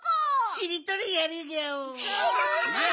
しりとりやるギャオ。